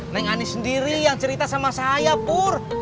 neng ani sendiri yang cerita sama saya pur